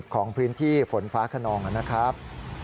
ของพื้นที่ฝนฟ้าขนองนะครับ